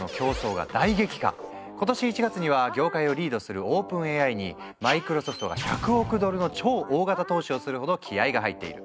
今年１月には業界をリードするＯｐｅｎＡＩにＭｉｃｒｏｓｏｆｔが１００億ドルの超大型投資をするほど気合いが入っている。